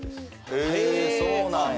へえそうなんや。